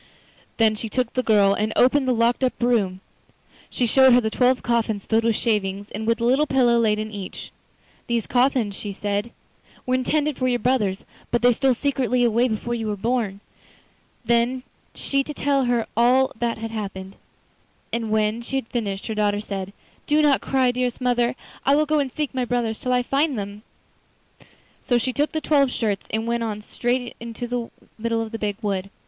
Then she took the girl and opened the locked up room; she showed her the twelve coffins filled with shavings, and with the little pillow laid in each. 'These coffins,' she said, 'were intended for your brothers, but they stole secretly away before you were born.' Then she proceeded to tell her all that had happened, and when she had finished her daughter said: 'Do not cry, dearest mother; I will go and seek my brothers till I find them.' So she took the twelve shirts and went on straight into the middle of the big wood.